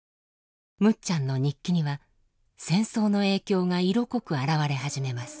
むっちゃんの日記には戦争の影響が色濃く表れ始めます。